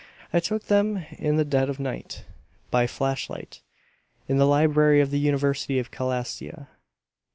I took them in the dead of night, by flashlight, in the library of the University of Calastia.